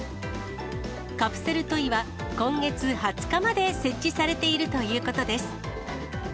カプセルトイは、今月２０日まで設置されているということです。